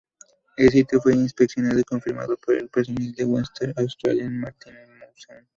El sitio fue inspeccionado y confirmado por el personal del Western Australian Maritime Museum.